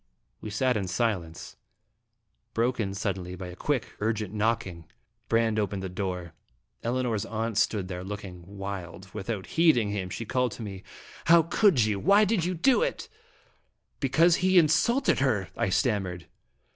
We sat in silence, broken suddenly by a quick, urgent knocking. Brande opened the door. Elinor's aunt stood there, looking wild. Without heeding him, she called to me : "How could you do it? Why did you do it?" " Because he insulted her," I stammered.